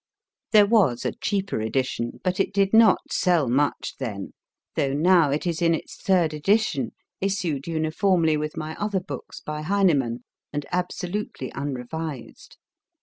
There was a cheaper edition, but it did not sell much then, though now it is in its third edition, issued uniformly with my other books by Heinemann, and absolutely unre vised.